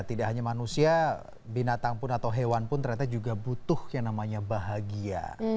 tidak hanya manusia binatang pun atau hewan pun ternyata juga butuh yang namanya bahagia